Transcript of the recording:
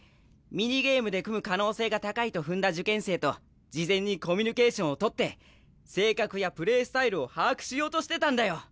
ミニゲームで組む可能性が高いと踏んだ受験生と事前にコミュニケーションをとって性格やプレースタイルを把握しようとしてたんだよ！